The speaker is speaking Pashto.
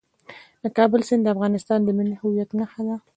د کابل سیند د افغانستان د ملي هویت نښه ده.